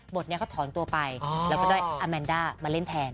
ทนี้เขาถอนตัวไปแล้วก็ได้อาแมนด้ามาเล่นแทน